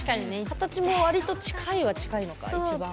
形もわりと近いは近いのか一番。